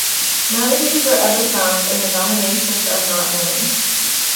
None of these were ever found and the denominations are not known.